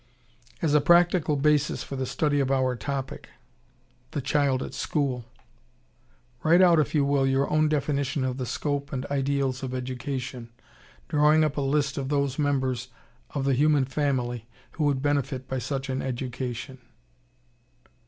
As a practical basis for the study of our topic, "The Child at School," write out if you will your own definition of the scope and ideals of education, drawing up a list of those members of the human family who would benefit by such an education.